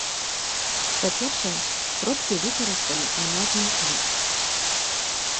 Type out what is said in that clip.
Па-першае, продкі выкарысталі множны лік.